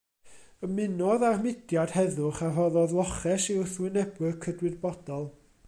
Ymunodd â'r mudiad heddwch a rhoddodd loches i wrthwynebwyr cydwybodol.